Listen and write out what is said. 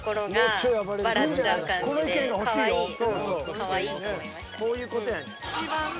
かわいいと思いましたね。